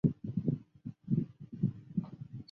现担任中国超级足球联赛球队贵州智诚主教练。